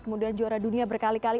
kemudian juara dunia berkali kali